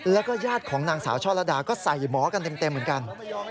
แล้วก็ญาติของนางสาวช่อระดาก็ใส่หมอกันเต็มเหมือนกัน